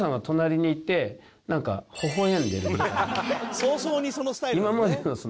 早々にそのスタイルなのね。